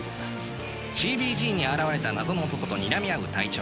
ＣＢＧに現れた謎の男とにらみ合う隊長。